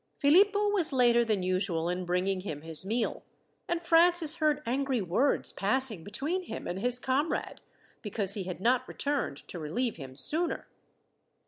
Philippo was later than usual in bringing him his meal, and Francis heard angry words passing between him and his comrade, because he had not returned to relieve him sooner.